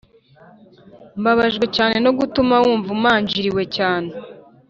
mbabajwe cyane no gutuma wumva umanjiriwe cyane.